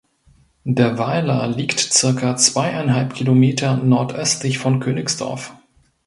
Der Weiler liegt circa zweieinhalb Kilometer nordöstlich von Königsdorf.